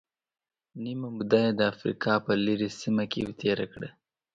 نیمه موده یې د افریقا په لرې سیمه کې تېره کړه.